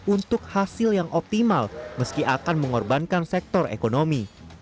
untuk hasil yang optimal meski akan mengorbankan sektor ekonomi